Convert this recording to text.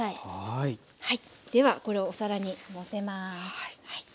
ではこれをお皿にのせます。